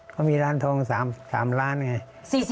เขามีร้านทอง๓ล้านไง